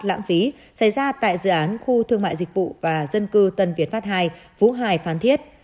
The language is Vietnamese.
lãng phí xảy ra tại dự án khu thương mại dịch vụ và dân cư tân việt pháp ii vũ hài phán thiết